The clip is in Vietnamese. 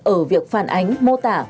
ở việc phản ánh mô tả